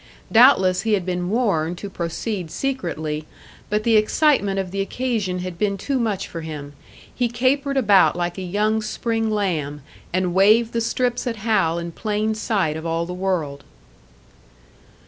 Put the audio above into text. Doubtless he had been warned to proceed secretly, but the excitement of the occasion had been too much for him; he capered about like a young spring lamb, and waved the strips at Hal in plain sight of all the world.